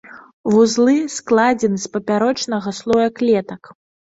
Вузлы складзены з папярочнага слоя клетак.